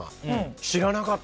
知らなかった。